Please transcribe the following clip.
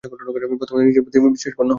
প্রথমত নিজের প্রতি বিশ্বাসসম্পন্ন হও।